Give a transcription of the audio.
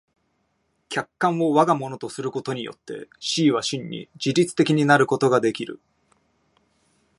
客観を我が物とすることによって思惟は真に自律的になることができる。